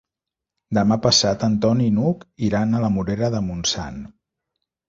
Demà passat en Ton i n'Hug iran a la Morera de Montsant.